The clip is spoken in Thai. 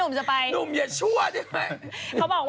นุงยะชั่ว